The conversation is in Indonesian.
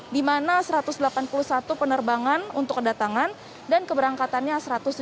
di mana satu ratus delapan puluh satu penerbangan untuk kedatangan dan keberangkatannya satu ratus tujuh puluh